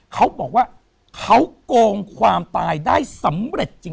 เขาบอกว่าเขาโกงความตายได้สำเร็จจริง